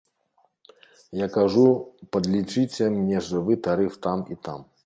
Я кажу, падлічыце мне жывы тарыф там і там.